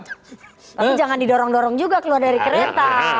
tapi jangan didorong dorong juga keluar dari kereta